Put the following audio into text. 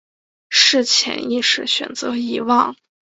是潜意识选择遗忘